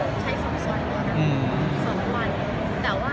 เหมือนเขาได้ไปเที่ยวบ้างก็หลอก